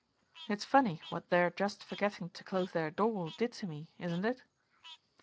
It's funny what their just forgetting to close their door did to me, isn't it?